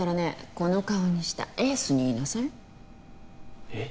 この顔にしたエースに言いなさいえっ？